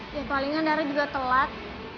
ya palingan darah juga telat